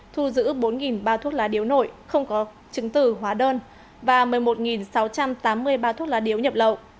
thu giữ bốn bao thuốc lá điếu nổi không có chứng tử hóa đơn và một mươi một sáu trăm tám mươi bao thuốc lá điếu nhập lậu